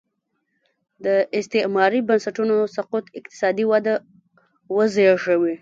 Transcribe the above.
د استعماري بنسټونو سقوط اقتصادي وده وزېږوي.